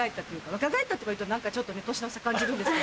若返ったとかいうとちょっと年の差感じるんですけど。